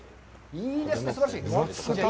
いいですね、すばらしい。